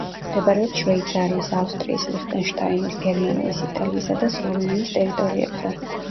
მდებარეობს შვეიცარიის, ავსტრიის, ლიხტენშტაინის, გერმანიის, იტალიისა და სლოვენიის ტერიტორიებზე.